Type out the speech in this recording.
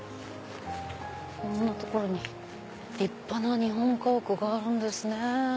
こんな所に立派な日本家屋があるんですね。